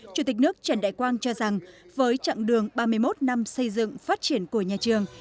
chủ tịch nước trần đại quang cho rằng với chặng đường ba mươi một năm xây dựng phát triển của nhà trường